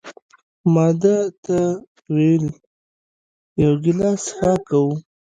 ما ده ته وویل: یو ګیلاس څښاک کوو؟